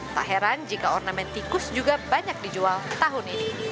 tak heran jika ornamen tikus juga banyak dijual tahun ini